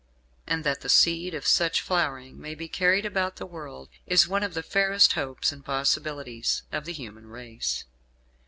And that the seed of such flowering may be carried about the world is one of the fairest hopes and possibilities of the human race.